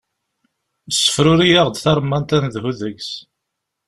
Ssefruri-aɣ-d taremmant ad nedhu deg-s.